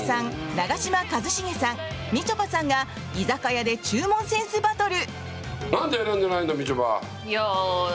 長嶋一茂さん、みちょぱさんが居酒屋で注文センスバトル！